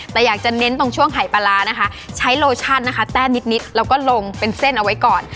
แต่อยากจะเน้นตรงช่วงหายปลาร้านะคะใช้โลชั่นนะคะแต้มนิดแล้วก็ลงเป็นเส้นเอาไว้ก่อน